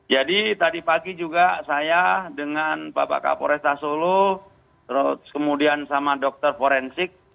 jadi tadi pagi juga saya dengan bapak kapolres tasolo kemudian sama dokter forensik